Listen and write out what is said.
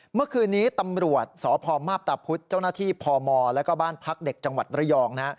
เมื่อคืนนี้ตำรวจสพมาพตาพุธเจ้าหน้าที่พมแล้วก็บ้านพักเด็กจังหวัดระยองนะฮะ